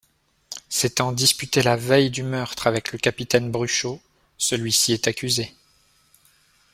S'étant disputé la veille du meurtre avec le capitaine Bruchot, celui-ci est accusé.